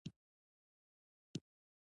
د حلال خوړو زړونه نرموي.